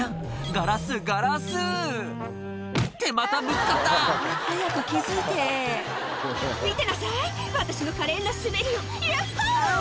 ガラスガラスってまたぶつかった早く気付いて「見てなさい私の華麗な滑りをヤッホ！」